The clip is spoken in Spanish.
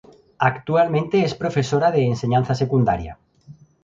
Actualmente es profesora de enseñanza secundaria.